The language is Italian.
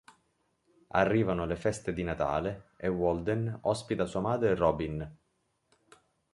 Arrivano le feste di Natale e Walden ospita sua madre Robin.